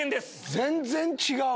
全然違う！